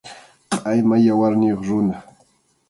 Qʼayma yawarniyuq runa.